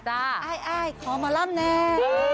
จ้าอ้ายอ้ายขอหมอลำแน่